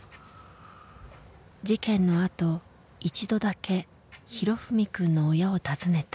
事件のあと一度だけ裕史くんの親を訪ねた。